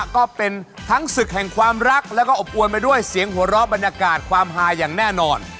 ก็เป็นทั้งศึกแห่งความรักแล้วก็อบอวนไปด้วยเสียงหัวเราะบรรยากาศความฮาอย่างแน่นอน